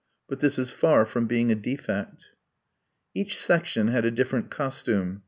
But this is far from being a defect. Each section had a different costume.